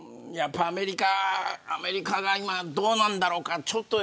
やっぱりアメリカが今、どうなんだろうか。